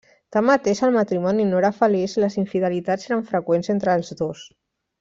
Tanmateix el matrimoni no era feliç i les infidelitats eren freqüents entre els dos.